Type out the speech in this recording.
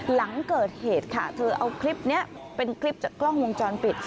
หลังเกิดเหตุค่ะเธอเอาคลิปนี้เป็นคลิปจากกล้องวงจรปิด